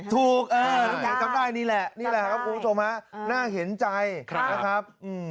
ถูกจำได้นี่แหละนี่แหละครับอู๋โสมะน่าเห็นใจนะครับ